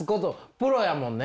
プロやもんね。